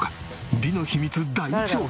美の秘密大調査！